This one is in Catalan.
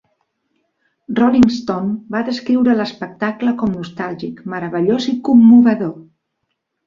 "Rolling Stone" va descriure l"espectacle com "nostàlgic, meravellós i commovedor".